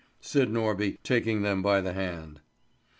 said Norby, taking them by the hand.